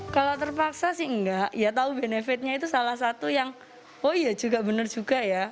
kalau terpaksa sih enggak ya tahu benefitnya itu salah satu yang oh iya juga benar juga ya